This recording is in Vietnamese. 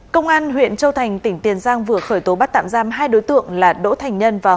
công an huyện châu thành tỉnh tiền giang vừa khởi tố bắt tạm giam hai đối tượng là đỗ thành nhân